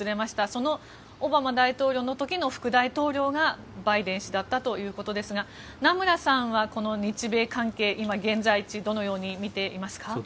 そのオバマ大統領の時の副大統領がバイデン氏だったということですが名村さんは、この日米関係今、現在どのように見ていますか。